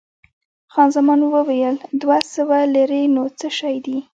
خان زمان وویل، دوه سوه لیرې نو څه شی دي؟